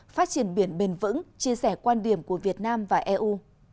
phát triển biển bền vững chia sẻ quan điểm của việt nam và eu